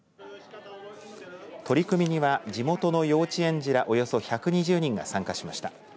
取り組みには地元の幼稚園児らおよそ１２０人が参加しました。